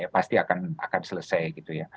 pasti akan selesai